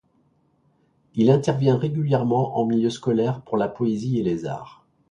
Il intervient régulièrement en milieu scolaire pour la poésie et les arts.